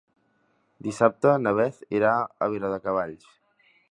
Dissabte na Beth irà a Viladecavalls.